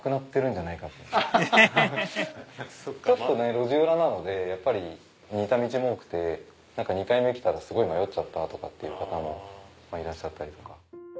路地裏なのでやっぱり似た道も多くて２回目来たらすごい迷ったっていう方もいらっしゃったり。